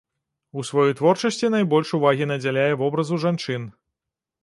У сваёй творчасці найбольш увагі надзяляе вобразу жанчын.